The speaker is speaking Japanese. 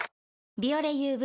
「ビオレＵＶ」